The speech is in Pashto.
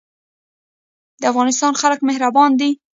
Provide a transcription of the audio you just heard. د افغانستان خلک مهربان دي